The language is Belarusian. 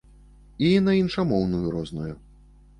І на іншамоўную розную.